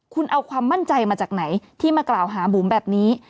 คุณเอาความมั่นใจมาจากไหนที่มากล่าวหาบุ๋มแบบนี้